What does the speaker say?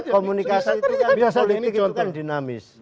komunikasi itu politik itu kan dinamis